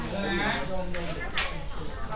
ขอบคุณครับ